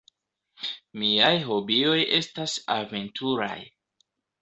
Miaj hobioj estas aventuraj.